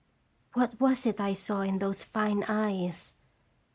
What was it I saw in those fine eyes?